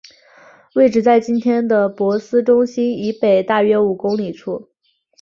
位置在今天的珀斯中心以北大约五公里处。